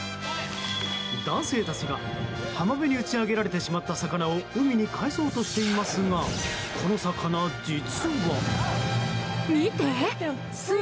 男性たちが、浜辺に打ち揚げられてしまった魚を海に帰そうとしていますがこの魚、実は。